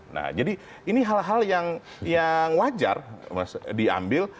nah jadi ini hal hal yang wajar diambil